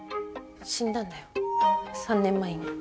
死んだんだよ３年前に。